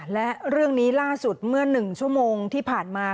และเรื่องนี้ล่าสุดเมื่อ๑ชั่วโมงที่ผ่านมา